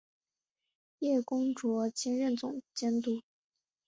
叶恭绰兼任总监督。